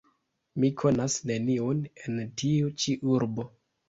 Mi konas neniun en tiu ĉi urbo.